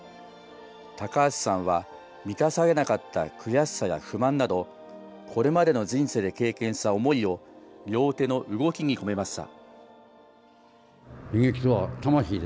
高橋さんは満たされなかった悔しさや不満など、これまでの人生で経験した思いを、両手の動きに込めました。